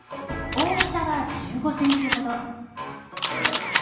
大きさは１５ｃｍほど。